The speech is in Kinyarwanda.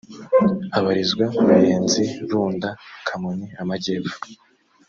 abarizwa ruyenzi runda kamonyi amajyepfo